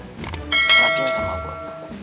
rakyat sama gue